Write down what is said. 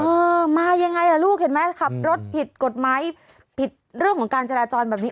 เออมายังไงล่ะลูกเห็นไหมขับรถผิดกฎหมายผิดเรื่องของการจราจรแบบนี้